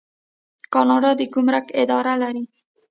کاناډا د ګمرک اداره لري.